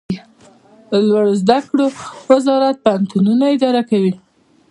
لوړو زده کړو وزارت پوهنتونونه اداره کوي